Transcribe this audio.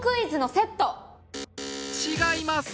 違います